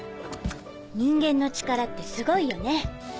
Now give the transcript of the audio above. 人間の力ってすごいよね。